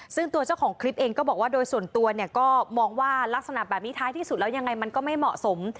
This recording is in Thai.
ซึ่งตัวเจ้าของคลิปเองก็บอกว่าโดยส่วนตัวเนี่ยก็มองว่ารักษณะแบบนี้ท้ายที่สุดแล้วยังไงมันก็ไม่เหมาะสม